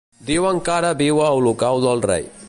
Diuen que ara viu a Olocau del Rei.